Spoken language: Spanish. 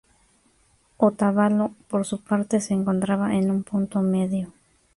Otavalo por su parte, se encontraba en un punto medio.